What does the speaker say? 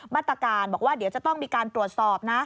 มาตรการบอกว่าเดี๋ยวจะต้องมีการตรวจสอบนะ